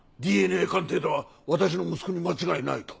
ＤＮＡ鑑定では私の息子に間違いないと。